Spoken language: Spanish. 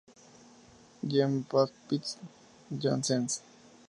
P. Jean-Baptiste Janssens.